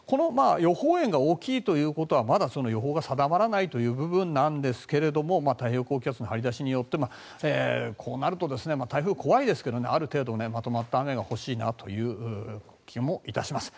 予報円が大きいということはまだ予報が定まらないという部分なんですが太平洋高気圧の張り出しによってこうなると台風、怖いですけどある程度、まとまった雨が欲しいなという気もいたします。